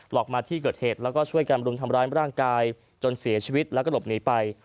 ออกมาที่เกิดเหตุแล้วก็ช่วยกันรุมทำร้ายร่างกายจนเสียชีวิตแล้วก็หลบหนีไป